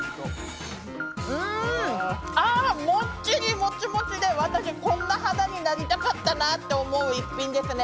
もっちりモチモチで、こんな肌になりたかったなと思う一品です。